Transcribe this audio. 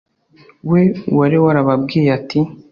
We wari warababwiye ati